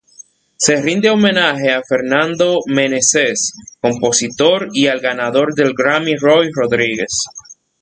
Se rinde homenaje a Fernando Meneses, compositor, y al ganador del Grammy Roy Rodríguez.